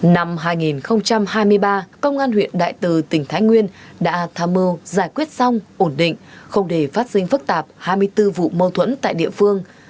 năm hai nghìn hai mươi ba công an huyện đại từ tỉnh thái nguyên đã tham mưu giải quyết xong ổn định không để phát sinh phức tạp hai mươi bốn vụ mâu thuẫn tại địa phương